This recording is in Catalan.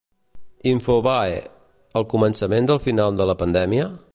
Infobae: El començament del final de la pandèmia?